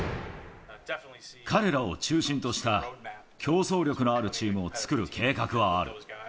彼らを中心とした競争力のあるチームを作る計画はある。